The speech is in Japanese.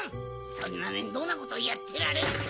そんなめんどうなことやってられるか！